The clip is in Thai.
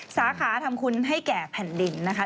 สาขาทำคุณให้แก่แผ่นดินนะคะ